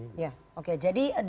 oke jadi dengan konsep nasionalisnya